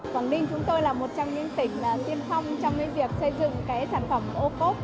quảng ninh chúng tôi là một trong những tỉnh tiên phong trong việc xây dựng sản phẩm ocop